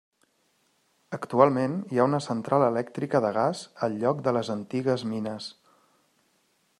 Actualment hi ha una central elèctrica de gas al lloc de les antigues mines.